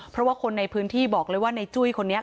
เพราะว่าคนในพื้นที่บอกเลยว่าในจุ้ยคนนี้